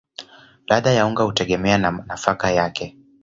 Ladha ya unga hutegemea na nafaka yake.